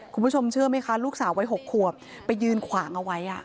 คุณผู้ชมเชื่อไหมคะลูกสาววัย๖ขวบไปยืนขวางเอาไว้